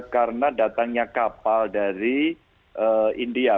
karena datangnya kapal dari india